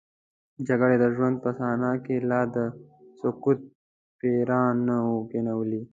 جګړې د ژوند په صحنه کې لا د سکوت پیریان نه وو کینولي.